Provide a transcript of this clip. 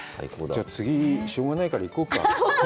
じゃあ、次、しょうがないから行こうか？